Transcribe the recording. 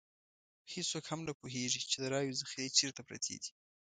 هېڅوک هم نه پوهېږي چې د رایو ذخیرې چېرته پرتې دي.